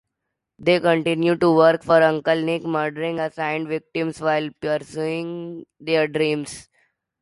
They continue to work for Uncle Nick, murdering assigned victims while pursuing their dreams.